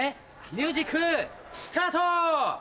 ミュージックスタート！